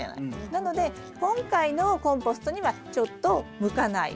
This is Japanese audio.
なので今回のコンポストにはちょっと向かない。